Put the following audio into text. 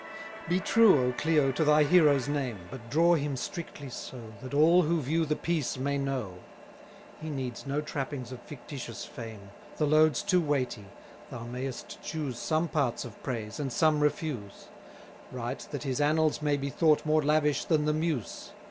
Be true, O Clio, to thy hero's name! But draw him strictly so, That all who view the piece may know. He needs no trappings of fictitious fame: The load's too weighty: thou mayest choose Some parts of praise, and some refuse: Write, that his annals may be thought more lavish than the Muse.